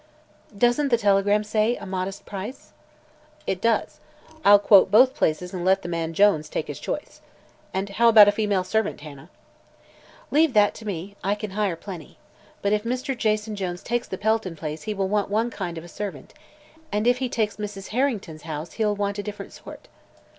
"Doesn't the telegram say 'a modest price'?" "It does. I'll quote both places and let the man Jones take his choice. And how about the female servant, Hannah?" "Leave that to me; I can hire plenty. But if Mr. Jason Jones takes the Pelton place he will want one kind of a servant, and if he takes Mrs. Harrington's house he'll want a different sort."